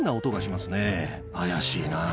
怪しいな。